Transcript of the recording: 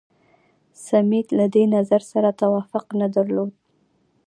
سمیت له دې نظر سره توافق نه درلود.